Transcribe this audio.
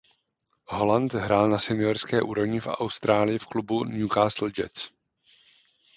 Holland hrál na seniorské úrovni v Austrálii v klubu Newcastle Jets.